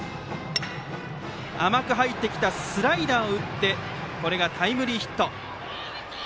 甘く入ってきたスライダーを打ってこれがタイムリーヒット。